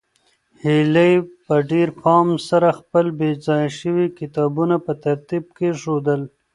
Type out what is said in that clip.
هیلې په ډېر پام سره خپل بې ځایه شوي کتابونه په ترتیب کېښودل.